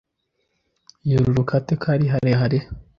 yururuka ate ko ari harehare